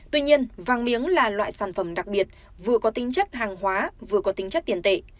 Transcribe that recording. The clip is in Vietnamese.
tuy nhiên vàng miếng là loại sản phẩm đặc biệt vừa có tính chất hàng hóa vừa có tính chất tiền tệ